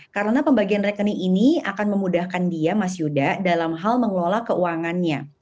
karena pembagian rekening ini akan memudahkan dia mas yuda dalam hal mengelola keuangannya